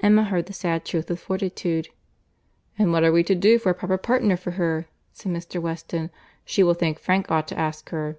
—Emma heard the sad truth with fortitude. "And what are we to do for a proper partner for her?" said Mr. Weston. "She will think Frank ought to ask her."